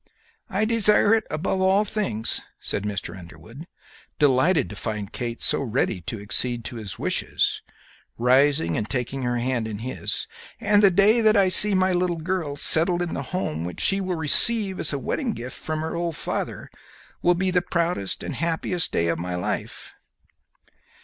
"I desire it above all things," said Mr. Underwood, delighted to find Kate so ready to accede to his wishes, rising and taking her hand in his; "and the day that I see my little girl settled in the home which she will receive as a wedding gift from her old father will be the proudest and happiest day of my life."